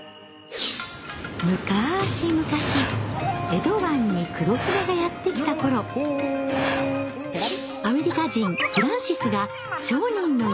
むかしむかし江戸湾に黒船がやって来た頃アメリカ人フランシスが商人の家を訪れました。